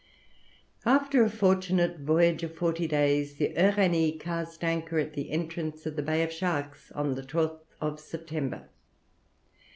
After a fortunate voyage of forty days, the Uranie cast anchor at the entrance of the Bay of Sharks on the 12th September.